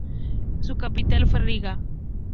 Su capital fue Riga.